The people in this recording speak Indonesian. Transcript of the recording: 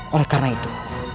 oleh karena itu